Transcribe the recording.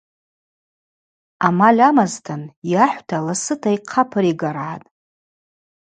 Амаль амазтын, йахӏвта ласыта йхъа апыригаргӏатӏ.